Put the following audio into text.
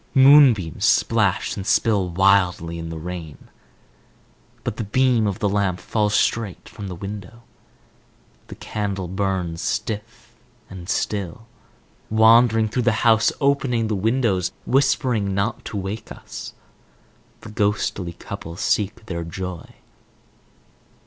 Moonbeams splash and spill wildly in the rain. But the beam of the lamp falls straight from the window. The candle burns stiff and still. Wandering through the house, opening the windows, whispering not to wake us, the ghostly couple seek their joy.